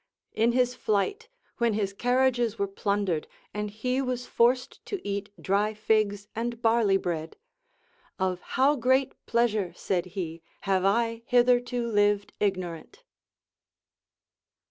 In his flight, when his carriages were plundered, and he was forced to eat dry figs and barley bread. Of how great pleasure, said he, have I hitherto lived ignorant